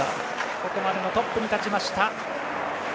ここまでのトップに立ちました。